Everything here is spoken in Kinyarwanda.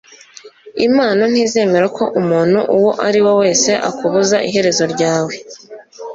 imana ntizemera ko umuntu uwo ari we wese akubuza iherezo ryawe